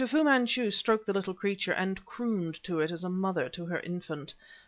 Fu Manchu stroked the little creature; and crooned to it, as a mother to her infant.